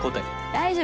大丈夫。